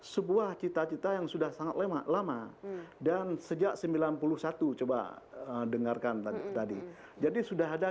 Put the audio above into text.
sebuah cita cita yang sudah sangat lama dan sejak seribu sembilan ratus sembilan puluh satu coba dengarkan tadi jadi sudah ada